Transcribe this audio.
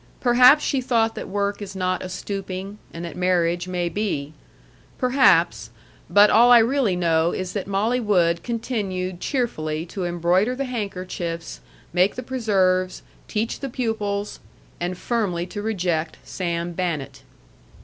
Perhaps she thought that work is not a stooping, and that marriage may be. Perhaps But all I really know is that Molly Wood continued cheerfully to embroider the handkerchiefs, make the preserves, teach the pupils and firmly to reject Sam Bannett.